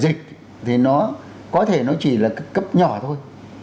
thế và dịch thì nó có thể nó chỉ là cấp nhỏ thôi